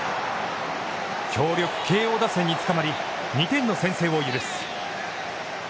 強力慶応打線に捉まり、２点の先制を許す。